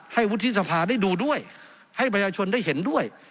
วุฒิสภาได้ดูด้วยให้ประชาชนได้เห็นด้วย